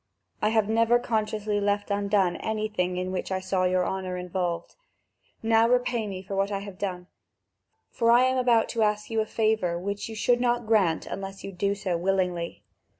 I never consciously left anything undone in which I saw your honour involved; now repay me for what I have done. For I am about to ask you a favour which you should not grant unless you do so willingly.